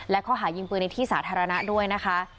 และข้อหายิงปืนในที่สาธารณะด้วยนะคะ